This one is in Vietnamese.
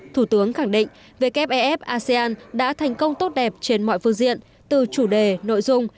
thủ tướng khẳng định wef asean đã thành công tốt đẹp trên mọi phương diện từ chủ đề nội dung